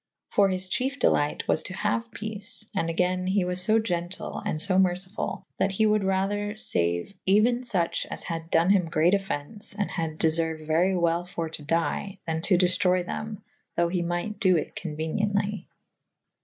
For his chyefe delyte was to haue peace /& agayne he was lb gentyll and lb mercyfull that he wolde rather faue euyn suche as had done hym great offence :& had deferued very well for to dye / tha» to dyftroye them / thoughe he myght do it conueniently.